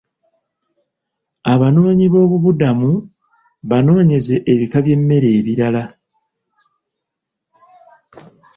Abanoonyi b'obubudamu baanoonyezza ebika by'emmere ebirala.